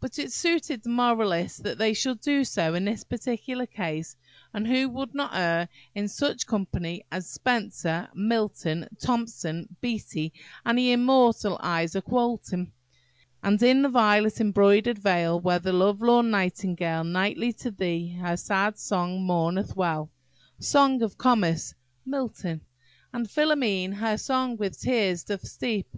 But it suited the moralist that they should do so in this particular case; and who would not err in such company as Spenser, Milton, Thomson, Beattie, and the immortal Isaak Walton? "And in the violet embroider'd vale, Where the love lorn nightingale Nightly to thee her sad song mourneth well." Song of Comus–MILTON. "And Philomele her song with teares doth steepe."